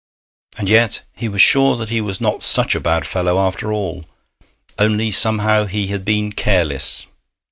And yet, he was sure that he was not such a bad fellow after all. Only somehow he had been careless.